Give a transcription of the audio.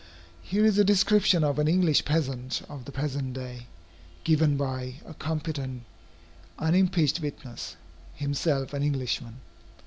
Here is a description of an English peasant of the present day, given by a competent unimpeached witness, himself an Englishman.